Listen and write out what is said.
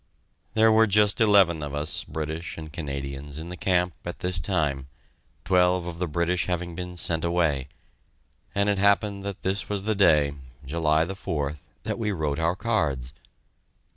There were just eleven of us, British and Canadians, in the camp at this time, twelve of the British having been sent away; and it happened that this was the day, July 4th, that we wrote our cards.